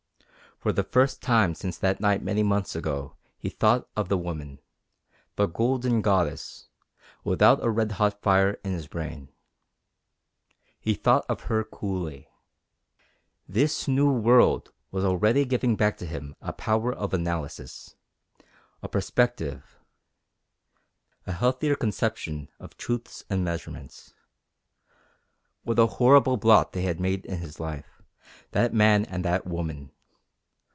For the first time since that night many months ago he thought of the Woman the Golden Goddess without a red hot fire in his brain. He thought of her coolly. This new world was already giving back to him a power of analysis, a perspective, a healthier conception of truths and measurements. What a horrible blot they had made in his life that man and that woman!